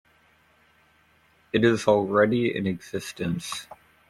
It is already in existence.